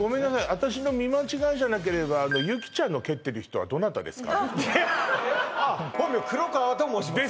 私の見間違いじゃなければゆきちゃんの蹴ってる人はどなたですか？